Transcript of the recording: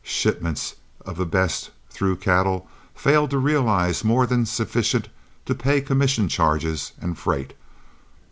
Shipments of the best through cattle failed to realize more than sufficient to pay commission charges and freight.